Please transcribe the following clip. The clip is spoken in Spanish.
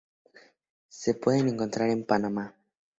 Se pueden encontrar en Panamá.